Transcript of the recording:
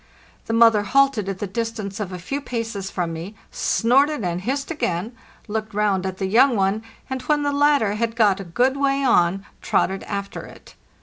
The moth er halted at the distance of a few paces from me, snorted and hissed again, looked round at the young one, and when the latter had got a good way on trotted after it.